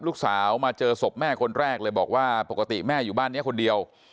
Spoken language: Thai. ลูกสาวมาเจอศพแม่คนแรกเลยบอกว่าปกติแม่อยู่บ้านนี้คนเดียว